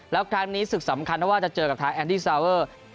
แล้วครั้งนี้ศึกสำคัญเพราะว่าจะเจอกับทางแอนดี้ซาเวอร์